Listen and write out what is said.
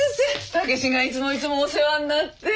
武志がいつもいつもお世話になって。